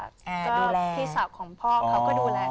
ก็พี่สาวของพ่อเขาก็ดูแล